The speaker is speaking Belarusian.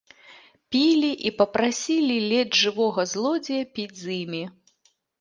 Пілі і папрасілі ледзь жывога злодзея піць з імі.